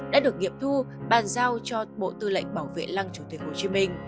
đã được nghiệm thu bàn giao cho bác